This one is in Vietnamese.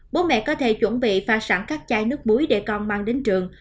bố mẹ có thể chuẩn bị pha sẵn các chai nước muối để con mang đến trường